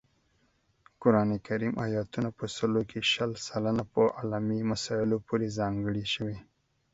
قران کریم آیاتونه په سلو کې شل سلنه په علمي مسایلو پورې ځانګړي شوي